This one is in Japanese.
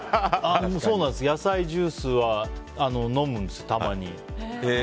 そうなんです、野菜ジュースは飲むんです、たまに。